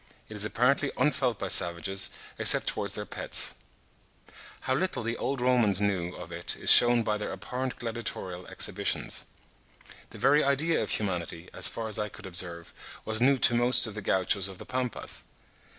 It is apparently unfelt by savages, except towards their pets. How little the old Romans knew of it is shewn by their abhorrent gladiatorial exhibitions. The very idea of humanity, as far as I could observe, was new to most of the Gauchos of the Pampas.